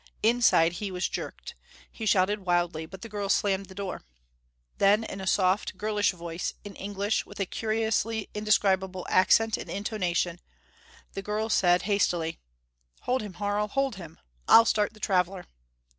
Inside, he was jerked; he shouted wildly; but the girl slammed the door. Then in a soft, girlish voice, in English with a curiously indescribable accent and intonation, the girl said hastily: "Hold him, Harl! Hold him! I'll start the traveler!"